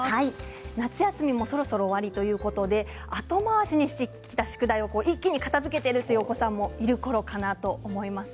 夏休みもそろそろ終わりということで後回しにしてきた宿題を一気に片づけているというお子さんもいるころかなと思います。